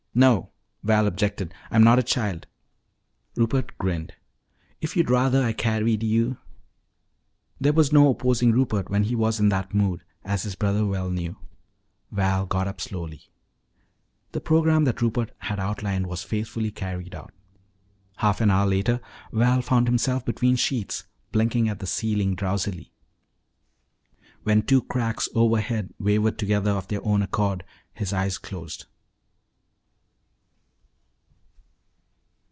"No," Val objected. "I'm not a child." Rupert grinned. "If you'd rather I carried you " There was no opposing Rupert when he was in that mood, as his brother well knew. Val got up slowly. The program that Rupert had outlined was faithfully carried out. Half an hour later Val found himself between sheets, blinking at the ceiling drowsily. When two cracks overhead wavered together of their own accord, his eyes closed.